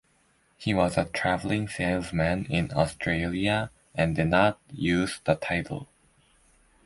He was a travelling salesman in Australia and did not use the title.